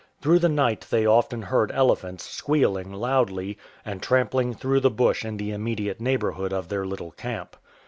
Through the night they often heard elephants squealing loudly, and trampling through the bush in the immediate neighbour hood of their little camp.